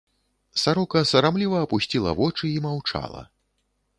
Сарока сарамліва апусціла вочы і маўчала.